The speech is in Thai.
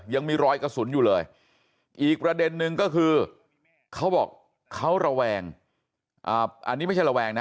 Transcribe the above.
ยังมีรอยกระสุนอยู่เลยอีกประเด็นนึงก็คือเขาบอกเขาระแวงอันนี้ไม่ใช่ระแวงนะ